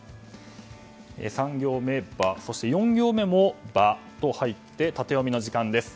３行目に「バ」４行も「バ」と入ってタテヨミの時間です。